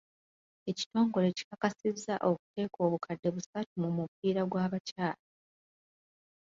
Ekitongole kikakasizza okuteeka obukadde busatu mu mupiira gw'abakyala.